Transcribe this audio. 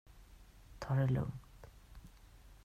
Ta det lugnt.